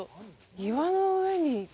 岩の上に。